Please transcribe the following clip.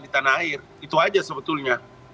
di tanah air itu aja sebetulnya